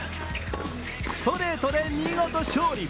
ストレートで見事勝利。